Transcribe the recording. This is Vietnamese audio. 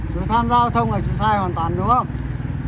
chú tham gia giao thông là chú sai hoàn toàn đúng không